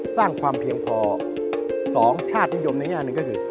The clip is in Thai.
สร้างความเพียงพอ๒ชาตินิยมในแง่หนึ่งก็คือ